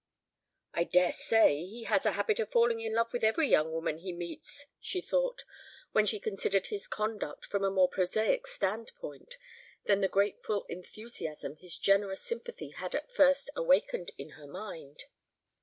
"I dare say he has a habit of falling in love with every young woman he meets," she thought, when she considered his conduct from a more prosaic standpoint than the grateful enthusiasm his generous sympathy had at first awakened in her mind.